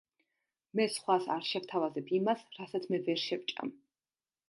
მე სხვას არ შევთავაზებ იმას, რასაც მე ვერ შევჭამ.